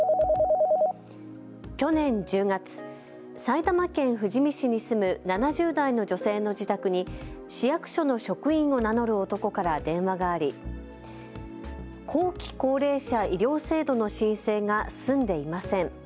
去年１０月、埼玉県富士見市に住む７０代の女性の自宅に市役所の職員を名乗る男から電話があり後期高齢者医療制度の申請が済んでいません。